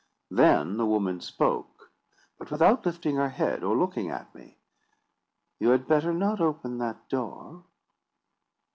Then the woman spoke, but without lifting her head or looking at me: "You had better not open that door."